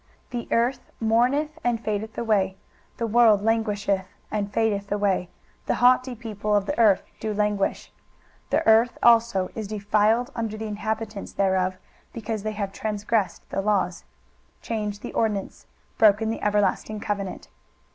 23:024:004 The earth mourneth and fadeth away, the world languisheth and fadeth away, the haughty people of the earth do languish. 23:024:005 The earth also is defiled under the inhabitants thereof; because they have transgressed the laws, changed the ordinance, broken the everlasting covenant.